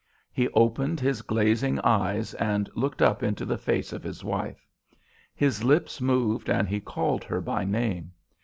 He opened his glazing eyes and looked up into the face of his wife. His lips moved and he called her by name.